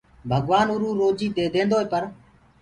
ڀگوآن اُروئو روجي ديديندوئي پر